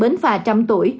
bến phà trăm tuổi